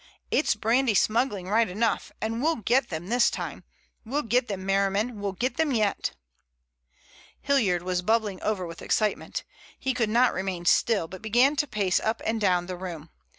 It's brandy smuggling right enough, and we'll get them this time. We'll get them, Merriman, we'll get them yet." Hilliard was bubbling over with excitement. He could not remain still, but began to pace up and down the room.